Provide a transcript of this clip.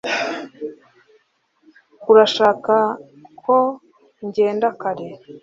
Urashaka ko ngenda kare